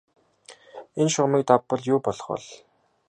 Энэ шугамыг давбал юу болох бол?